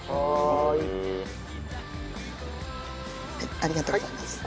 ありがとうございます。